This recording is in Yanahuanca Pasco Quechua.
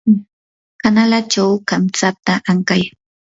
kanalachaw kamtsata ankay.